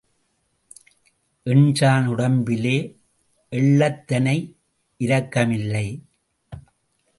எண்சாண் உடம்பிலே எள்ளத்தனை இரத்தம் இல்லை.